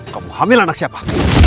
kamu hamil anak siapa